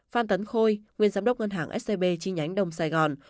phan tấn khôi nguyên giám đốc ngân hàng scb chi nhánh đồng sài gòn